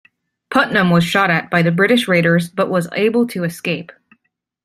Putnam was shot at by the British raiders but was able to escape.